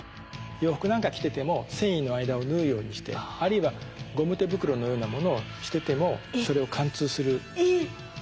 洋服なんか着てても繊維の間を縫うようにしてあるいはゴム手袋のようなものをしててもそれを貫通する鋭さがあります。